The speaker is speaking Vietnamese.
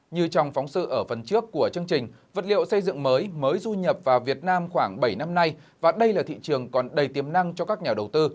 như trong phóng sự ở phần trước của chương trình vật liệu xây dựng mới mới du nhập vào việt nam khoảng bảy năm nay và đây là thị trường còn đầy tiềm năng cho các nhà đầu tư